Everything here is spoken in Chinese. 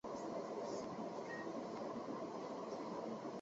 厚丰郑氏大厝的历史年代为清。